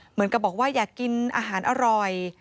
เหมือนกับบอกว่าอยากกินอาหารอร่อย